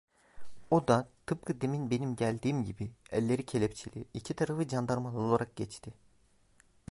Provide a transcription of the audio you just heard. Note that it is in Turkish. O da tıpkı demin benim geldiğim gibi elleri kelepçeli, iki tarafı candarmalı olarak geçti.